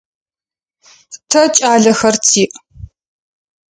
Тэ кӏалэхэр тиӏ.